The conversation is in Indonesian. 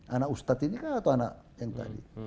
anak ustadz ini kan atau anak yang tadi